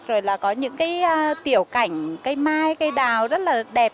rồi là có những cái tiểu cảnh cây mai cây đào rất là đẹp